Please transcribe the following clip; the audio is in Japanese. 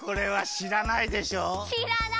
しらない。